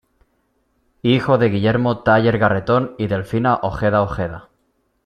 Hijo de Guillermo Thayer Garretón y de Delfina Ojeda Ojeda.